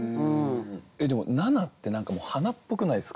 えっでも「ナナ」って何か花っぽくないですか？